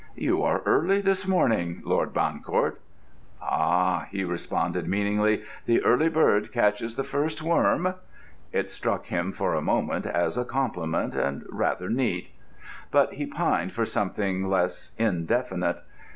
"You are early this morning, Lord Bancourt." "Ah," he responded meaningly, "the early bird catches the first worm." It struck him, for the moment, as a compliment, and rather neat. But he pined for something less indefinite.